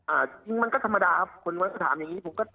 จริงมันก็ธรรมดาครับคนถามอย่างงี้ผมก็